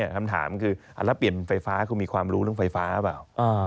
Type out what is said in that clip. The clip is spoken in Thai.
คำถามคือแล้วเปลี่ยนไฟฟ้าคุณมีความรู้เรื่องไฟฟ้าเปล่า